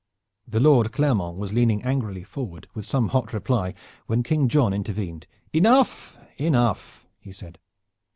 The Lord Clermont was leaning angrily forward with some hot reply when King John intervened. "Enough, enough!" he said.